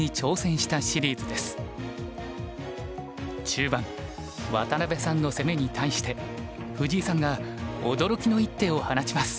中盤渡辺さんの攻めに対して藤井さんが驚きの一手を放ちます。